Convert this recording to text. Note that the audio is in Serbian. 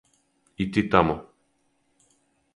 И ти тамо.